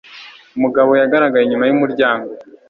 Umugabo yagaragaye inyuma yumuryango.